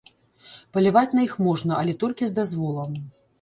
Паляваць на іх можна, але толькі з дазволам.